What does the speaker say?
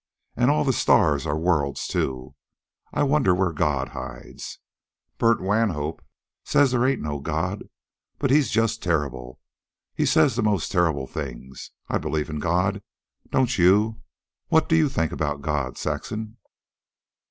And all the stars are worlds, too. I wonder where God hides. Bert Wanhope says there ain't no God. But he's just terrible. He says the most terrible things. I believe in God. Don't you? What do you think about God, Saxon?"